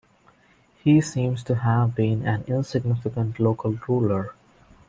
He seems to have been an insignificant local ruler.